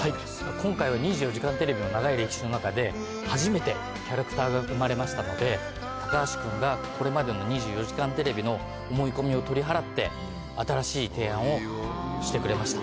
今回は『２４時間テレビ』の長い歴史の中で初めてキャラクターが生まれましたので橋君がこれまでの『２４時間テレビ』の思い込みを取り払って新しい提案をしてくれました。